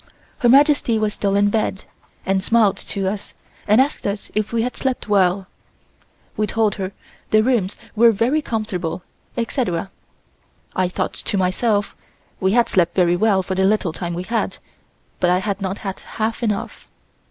Her Majesty was still in bed and smiled to us and asked us if we had slept well. We told her the rooms were very comfortable, etc. I thought to myself, we had slept very well for the little time we had, but I had not had half enough.